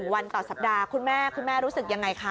วันต่อสัปดาห์คุณแม่คุณแม่รู้สึกยังไงคะ